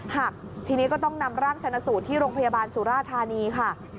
หักทีนี้ก็ต้องนำร่างชนะสูตรที่โรงพยาบาลสุราธานีค่ะ